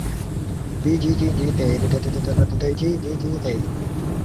宗布寺是位于西藏自治区日喀则地区定日县长所乡强噶村的一座藏传佛教女尼的寺院。